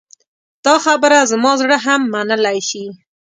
دا خبره زما زړه هم منلی شي.